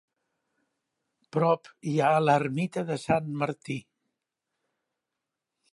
Prop hi ha l'Ermita de Sant Martí.